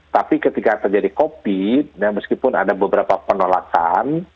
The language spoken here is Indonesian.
tapi ketika terjadi covid meskipun ada beberapa penolakan